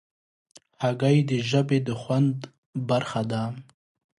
هګۍ د ژبې د خوند برخه ده.